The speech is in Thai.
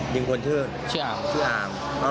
ยิงคนชื่ออาร์ม